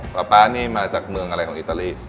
ป๊าป๊านี่มาจากเมืองอะไรของอิตาลี